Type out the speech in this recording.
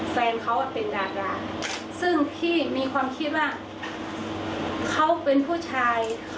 แฟนเขาเป็นดาราซึ่งพี่มีความคิดว่าเขาเป็นผู้ชาย